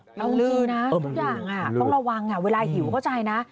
เราลือนะทุกอย่างต้องระวังเวลาหิวเข้าใจนะ